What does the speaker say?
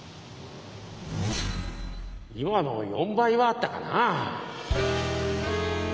今の４倍はあったかなぁ。